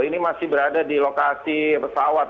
ini masih berada di lokasi pesawat